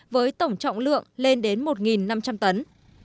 với tổng trọng lượng lên đến một năm trăm linh tấn